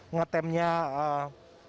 ngetepatkan dan menjaga kemampuan para pembatasan